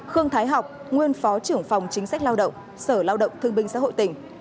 khương thái học nguyên phó trưởng phòng chính sách lao động sở lao động thương binh xã hội tỉnh